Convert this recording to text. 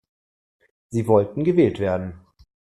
Sie wollten gewählt werden.